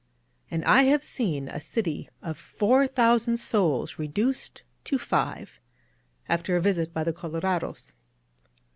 And I have seen a city of four thousand souls reduced to five after a visit by the colorados.